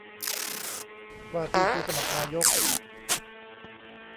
ว่าที่ผู้สมัครนายก